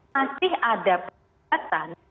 masih ada persyaratan